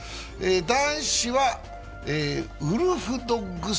男子はウルフドッグス